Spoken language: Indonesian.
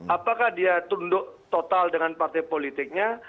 apakah dia tunduk total dengan partai politiknya